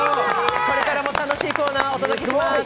これからも楽しいコーナーをお届けします。